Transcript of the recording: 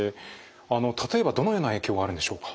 あの例えばどのような影響があるんでしょうか？